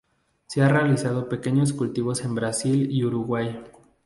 Se han realizado pequeños cultivos en Brasil y Uruguay.